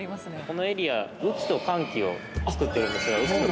このエリア雨季と乾季を作ってるんですよ